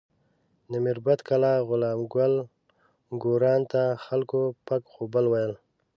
د میربت کلا غلام ګل ګوروان ته خلکو پک غوبه ویل.